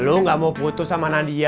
lu gak mau putus sama nadia